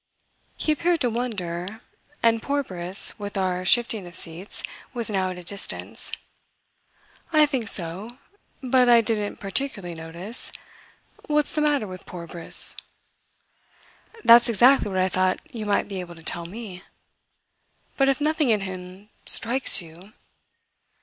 He appeared to wonder, and poor Briss, with our shifting of seats, was now at a distance. "I think so but I didn't particularly notice. What's the matter with poor Briss?" "That's exactly what I thought you might be able to tell me. But if nothing, in him, strikes you